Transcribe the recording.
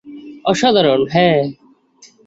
অসাধারণ, হ্যাঁ।